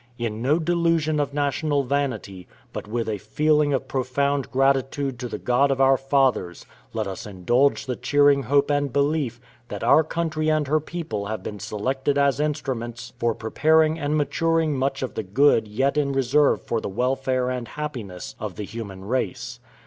In no delusion of national vanity, but with a feeling of profound gratitude to the God of our Fathers, let us indulge the cheering hope and belief, that our country and her people have been selected as instruments for preparing and maturing much of the good yet in reserve for the welfare and happiness of the human race.